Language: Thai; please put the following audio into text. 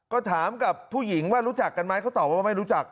ก็ถามกับผู้หญิงว่ารู้จักกันไหมเขาตอบว่าไม่รู้จัก